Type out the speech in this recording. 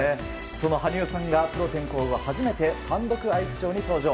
その羽生さんがプロ転向後初めて単独アイスショーに登場。